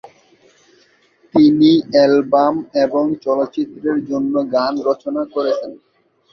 তিনি অ্যালবাম এবং চলচ্চিত্রের জন্য গান রচনা করেছেন।